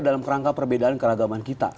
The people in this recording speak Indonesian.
dalam kerangka perbedaan keragaman kita